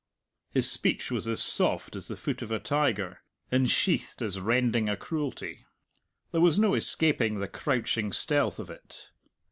His speech was as soft as the foot of a tiger, and sheathed as rending a cruelty. There was no escaping the crouching stealth of it.